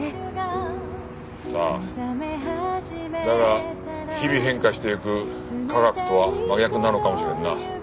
だが日々変化していく科学とは真逆なのかもしれんな。